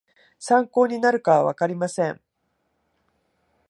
参考になるかはわかりません